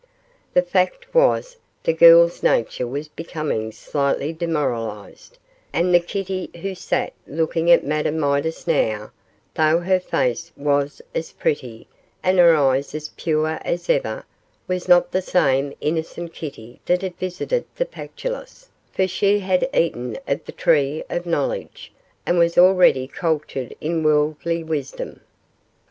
The fact was, the girl's nature was becoming slightly demoralised, and the Kitty who sat looking at Madame Midas now though her face was as pretty, and her eyes as pure as ever was not the same innocent Kitty that had visited the Pactolus, for she had eaten of the Tree of Knowledge, and was already cultured in worldly wisdom.